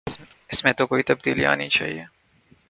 اس میں تو کوئی تبدیلی آنی چاہیے۔